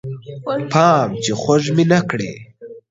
پام چې خوږ مې نه کړې